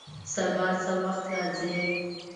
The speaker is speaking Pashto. سبا څه وخت راځئ؟